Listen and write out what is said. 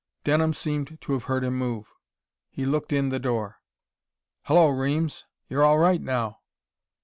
Denham seemed to have heard him move. He looked in the door. "Hullo, Reames. You're all right now."